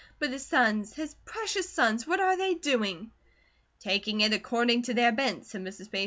But his sons! His precious sons! What are they doing?" "Taking it according to their bent," said Mrs. Bates.